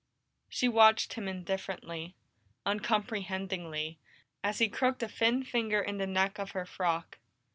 She watched him indifferently, uncomprehendingly, as he crooked a thin finger in the neck of her frock.